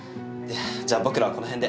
じゃあ僕らはこの辺で。